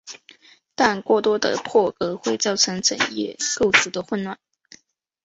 但过多的破格会造成整页构图的混乱。